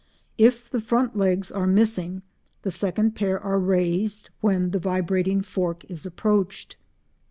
If the front legs are missing the second pair are raised when the vibrating fork is approached.